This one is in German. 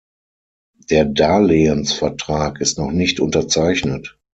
Der Darlehensvertrag ist noch nicht unterzeichnet.